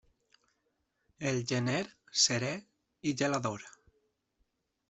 El gener serè i gelador.